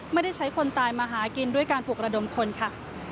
ไม่ได้ใช้คนตายมาหากินด้วยการปลุกระดมคนค่ะ